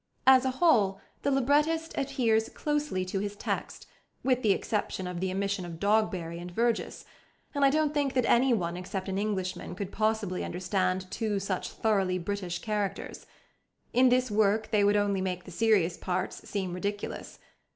As a whole, the librettist adheres closely to his text, with the exception of the omission of Dogberry and Verges; and I don't think that anyone except an Englishman could possibly understand two such thoroughly British characters. In this work they would only make the serious parts seem ridiculous.